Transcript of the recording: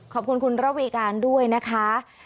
ขอบคุณคุณระวีการด้วยนะคะ